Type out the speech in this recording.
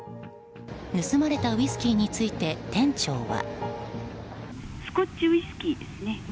盗まれたウイスキーについて店長は。